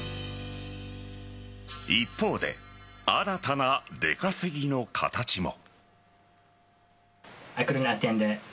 一方で新たな出稼ぎの形も。